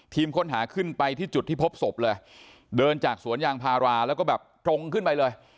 ค้นหาขึ้นไปที่จุดที่พบศพเลยเดินจากสวนยางพาราแล้วก็แบบตรงขึ้นไปเลย